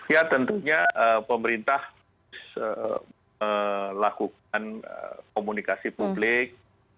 ya tentunya pemerintah lakukan komunikasi publik